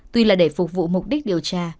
tuy là để phục vụ mục đích điều tra